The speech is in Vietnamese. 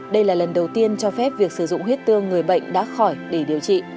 đây là lần đầu tiên cho phép việc sử dụng huyết tương người bệnh đã khỏi để điều trị